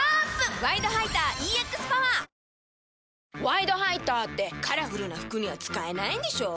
「ワイドハイター」ってカラフルな服には使えないんでしょ？